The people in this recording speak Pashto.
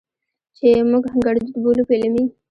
چې موږ ګړدود بولو، په علمي